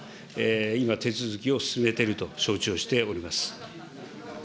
今、手続きを進めてると承知をしております。